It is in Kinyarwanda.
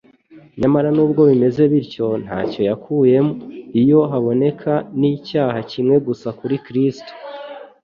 Nyamara, nubwo bimeze bityo, ntacyo yakuyemo. Iyo haboneka n'icyaha kimwe gusa kuri Kristo,